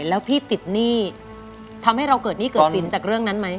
แล้วพี่ติดหนี้ทำให้เราเกิดหนี้เกิดสินจากเรื่องนั้นไหม